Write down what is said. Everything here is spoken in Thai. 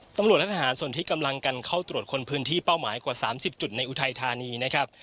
ตำรวจและทหารส่วนที่กำลังกันเข้าตรวจคนพื้นที่เป้าหมายกว่า๓๐จุดในอุทัยธานีนะครับ